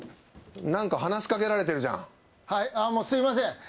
なんか話しかけられてるじゃんはいああもうすいません